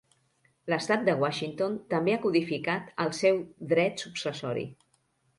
L"estat de Washington també ha codificat el seu dret successori.